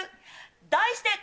題して。